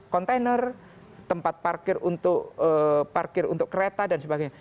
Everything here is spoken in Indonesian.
kontainer tempat parkir untuk kereta dan sebagainya